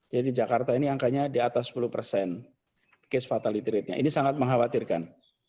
jadi jakarta ini angkanya di atas sepuluh persen case fatality rate nya ini sangat mengkhawatirkan